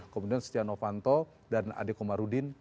kemudian setia novanto dan adekomarudin